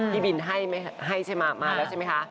พี่บินให้ใช่ไหมมาแล้วใช่ไหมคะ